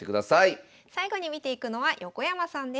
最後に見ていくのは横山さんです。